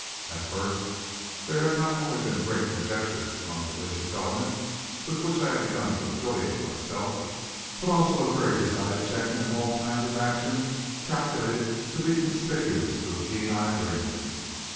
At first there had not only been great conjecture among the vicious element, with which I had begun to affiliate myself, but also a very decided checking of all kinds of action calculated to be conspicuous to a keen eyed Ranger.